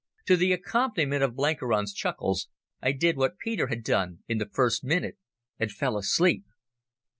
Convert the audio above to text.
To the accompaniment of Blenkiron's chuckles I did what Peter had done in the first minute, and fell asleep.